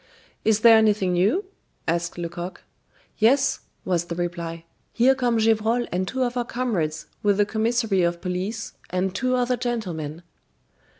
"Is there anything new?" asked Lecoq. "Yes," was the reply. "Here come Gevrol and two of our comrades with the commissary of police and two other gentlemen."